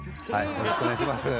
よろしくお願いします。